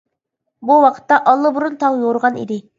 بۇ ۋاقىتتا ئاللىبۇرۇن تاڭ يورۇغان ئىدى.